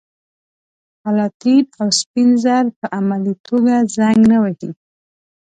پلاتین او سپین زر په عملي توګه زنګ نه وهي.